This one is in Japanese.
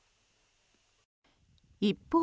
一方、